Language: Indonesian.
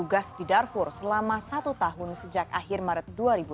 tugas di darfur selama satu tahun sejak akhir maret dua ribu enam belas